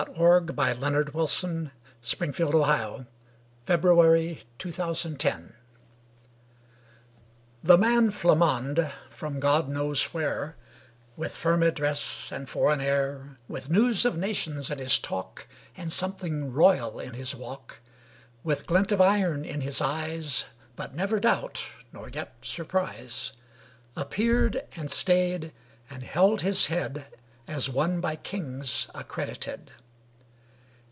E F . G H . I J . K L . M N . O P . Q R . S T . U V . W X . Y Z Flammonde THE man Flammonde, from God knows where, With firm address and foreign air With news of nations in his talk And something royal in his walk, With glint of iron in his eyes, But never doubt, nor yet surprise, Appeared, adn stayed, and held his head As one by kings accredited.